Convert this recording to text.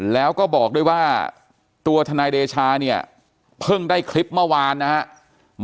แล้วก็บอกด้วยว่าตัวทนายเดชาเนี่ยเพิ่งได้คลิปเมื่อวานนะครับ